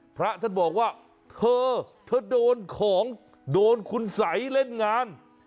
พระท่านบอกว่าเธอเธอโดนของโดนคุณสัยเล่นงาน